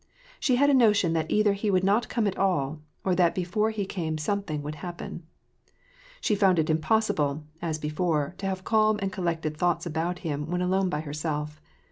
She had a notion that either he would not come at all, or that before he came something would happen. She found it impossible, as before, to have calm and collected thoughts about him when alone by herself.